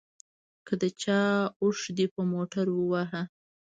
که د چا اوښ دې په موټر ووهه.